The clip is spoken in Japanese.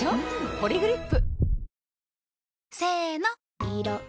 「ポリグリップ」